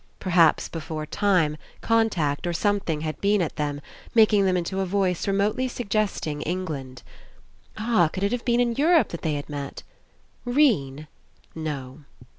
Perhaps before time, con tact, or something had been at them, making them into a voice remotely suggesting England. Ah ! Could it have been in Europe that they had met? 'Rene. No.